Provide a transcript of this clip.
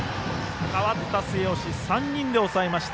代わった末吉、３人で抑えました。